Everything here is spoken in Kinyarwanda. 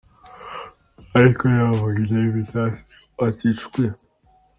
Ariko navuga ibya invitation ati “cwe!”.